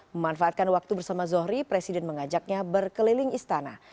memanfaatkan waktu bersama zohri presiden mengajaknya berkeliling istana